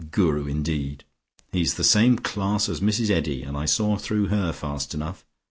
Guru, indeed! He's the same class as Mrs Eddy, and I saw through her fast enough.